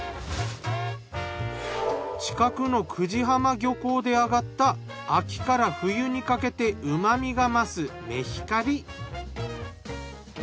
近くの久慈浜漁港で揚がった秋から冬にかけてうまみが増すメヒカリ。